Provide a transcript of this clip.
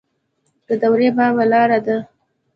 د دور بابا لاره ده